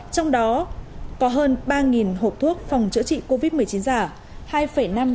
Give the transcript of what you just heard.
trong đó có hơn ba hộp thuốc phòng chữa trị covid một mươi chín giả